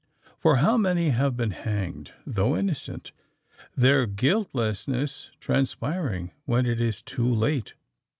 For how many have been hanged, though innocent,—their guiltlessness transpiring when it is too late!